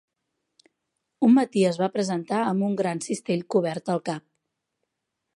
Un matí es va presentar amb un gran cistell cobert al cap.